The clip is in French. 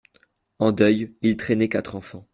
En deuil, il traînait quatre enfants.